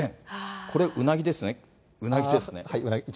これ、うなぎですね、うなぎですね。